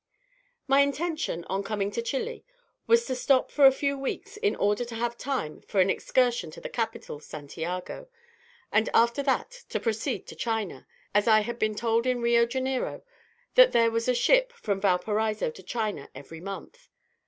My intention, on coming to Chili, was to stop for a few weeks in order to have time for an excursion to the capital, Santiago, and after that to proceed to China, as I had been told in Rio Janeiro that there was a ship from Valparaiso to China every month.